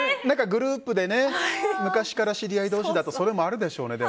グループで昔から知り合い同士だとそれもあるでしょうね。